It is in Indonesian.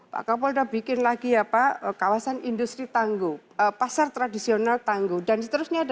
pak kapolda bikin lagi ya pak kawasan industri tangguh pasar tradisional tangguh dan seterusnya